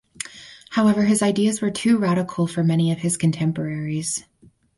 However his ideas were too radical for many of his contemporaries.